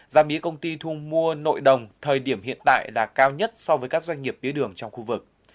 giá mía công ty thu mua nội đồng thời điểm hiện tại là cao nhất so với các doanh nghiệp mía đường trong khu vực